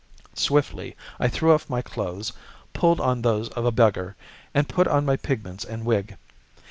Swiftly I threw off my clothes, pulled on those of a beggar, and put on my pigments and wig.